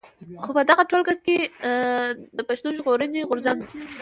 خو په دغه ټولګه کې د پښتون ژغورني غورځنګ.